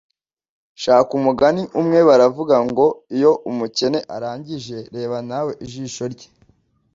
shaka umugani umwe baravuga ngo iyo umukene arangije reba nawe ijisho rye